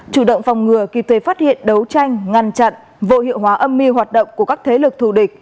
chủ động phòng ngừa kịp thời phát hiện đấu tranh ngăn chặn vô hiệu hóa âm mưu hoạt động của các thế lực thù địch